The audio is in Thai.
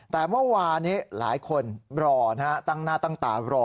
แต่เมื่อวานี้หลายคนรอนะฮะตั้งหน้าตั้งตารอ